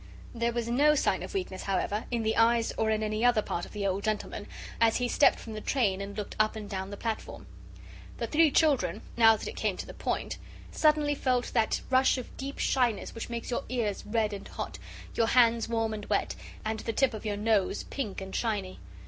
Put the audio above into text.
There was no sign of weakness, however, in the eyes, or in any other part of the old gentleman, as he stepped from the train and looked up and down the platform. The three children, now that it came to the point, suddenly felt that rush of deep shyness which makes your ears red and hot, your hands warm and wet, and the tip of your nose pink and shiny.